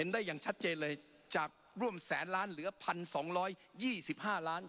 ได้อย่างชัดเจนเลยจากร่วมแสนล้านเหลือพันสองร้อยยี่สิบห้าล้าน